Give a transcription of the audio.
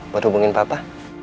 buat hubungin papa